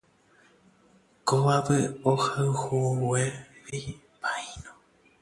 Kóvape ohayhuvégui paíno.